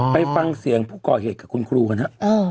ไปฟังเสียงผู้ก่อเหตุกับคุณครูกันฮะ